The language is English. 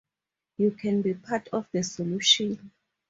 You can be part of the solution.